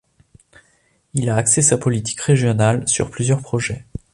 Il a axé sa politique régionale sur plusieurs projets.